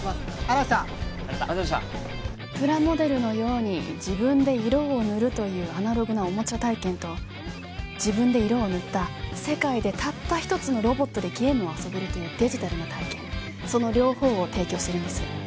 ありがとうございましたプラモデルのように自分で色を塗るというアナログなおもちゃ体験と自分で色を塗った世界でたった一つのロボットでゲームを遊べるというデジタルな体験その両方を提供してるんです